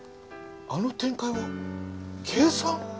あの展開は計算？